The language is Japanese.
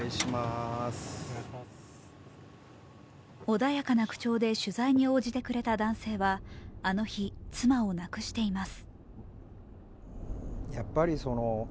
穏やかな口調で取材に応じてくれた男性はあの日、妻を亡くしています。